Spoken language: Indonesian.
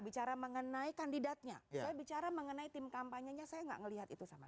bicara mengenai kandidatnya saya bicara mengenai tim kampanyenya saya enggak melihat itu sama